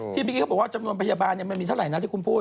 เมื่อกี้เขาบอกว่าจำนวนพยาบาลมันมีเท่าไหร่นะที่คุณพูด